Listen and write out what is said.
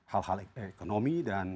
hal hal ekonomi dan